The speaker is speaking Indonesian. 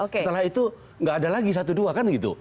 setelah itu nggak ada lagi satu dua kan gitu